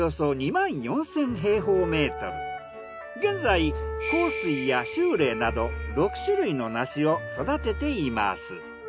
現在幸水や秋麗など６種類の梨を育てています。